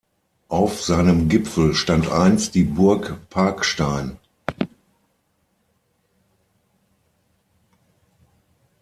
Auf seinem Gipfel stand einst die Burg Parkstein.